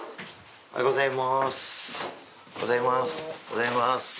おはようございます。